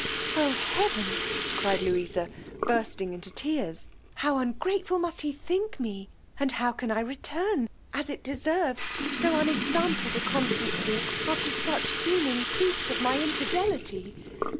Oh heaven! cried Louisa, bursting into tears, how ungrateful must he think me, and how can I return, as it deserves, so unexampled a constancy, after such seeming proofs of my infidelity!